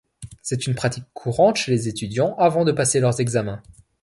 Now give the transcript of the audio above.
C'est une pratique courante chez les étudiants avant de passer leurs examens.